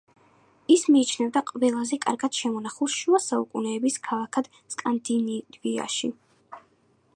ის მიიჩნევა ყველაზე კარგად შემონახულ შუა საუკუნეების ქალაქად სკანდინავიაში.